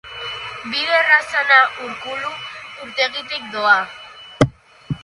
Bide errazena, Urkulu urtegitik doa.